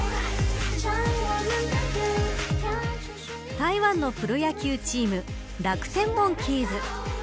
台湾のプロ野球チーム楽天モンキーズ。